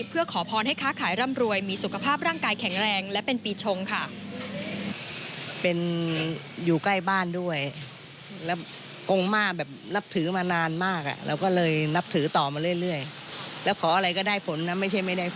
เพื่อขอพรให้ค้าขายร่ำรวยมีสุขภาพร่างกายแข็งแรงและเป็นปีชงค่ะ